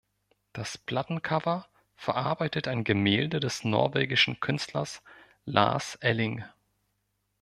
Das Plattencover verarbeitet ein Gemälde des norwegischen Künstlers Lars Elling.